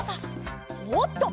おっと！